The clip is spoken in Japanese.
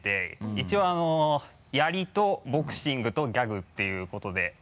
一応槍とボクシングとギャグっていうことで。